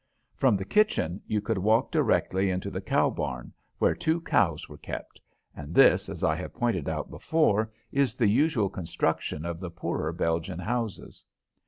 From the kitchen you could walk directly into the cow barn, where two cows were kept, and this, as I have pointed out before, is the usual construction of the poorer Belgian houses.